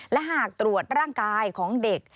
และหากตรวจร่างกายของเด็ก